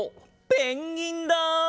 ペンギンだ！